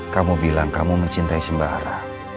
kamu bilang kamu mencintai sembara